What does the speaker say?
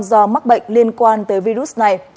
do mắc bệnh liên quan tới virus này